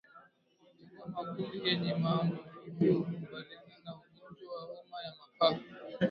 Kutenga makundi yenye maambukizi hukabiliana na ugonjwa wa homa ya mapafu